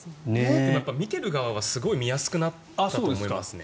見ている側はすごく見やすくなったと思いますね。